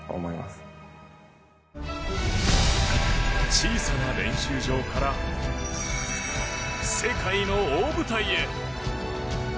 小さな練習場から世界の大舞台へ。